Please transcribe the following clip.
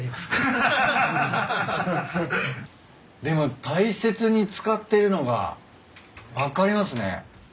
でも大切に使ってるのが分かりますね。